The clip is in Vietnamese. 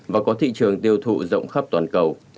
và có thị trường tiêu thụ rộng khắp toàn cầu